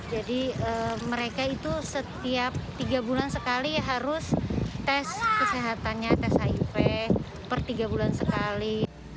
jadi mereka itu setiap tiga bulan sekali harus tes kesehatannya tes hiv per tiga bulan sekali